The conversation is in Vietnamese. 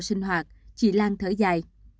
sinh hoạt chị lan thở dài